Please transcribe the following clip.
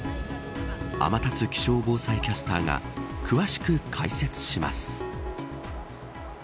天達気象防災キャスターが詳しく解説します。